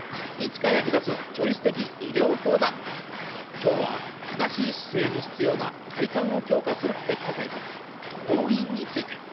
今日は正しい姿勢に必要な体幹を強化するエクササイズ「ドローイン」について。